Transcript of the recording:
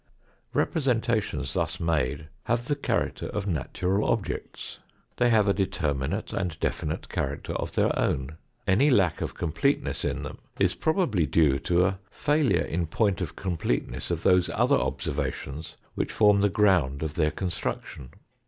Representations thus made have the character of natural objects; they have a determinate and definite character of their own. Any lack of completeness in them is probably due to a failure in point of completeness of those observations which form the ground of their construction.